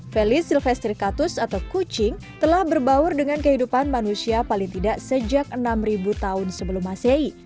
feli silvestricatus atau kucing telah berbaur dengan kehidupan manusia paling tidak sejak enam tahun sebelum masehi